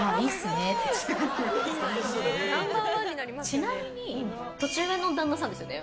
ちなみに年上の旦那さんですよね。